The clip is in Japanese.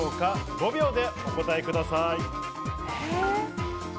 ５秒でお答えください。